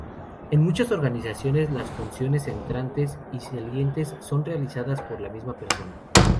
En muchas organizaciones las funciones entrantes y salientes son realizadas por la misma persona.